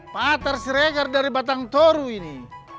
pak terseregar dari batang toru ini